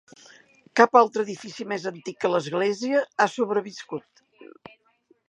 Cap altre edifici més antic que l'església ha sobreviscut.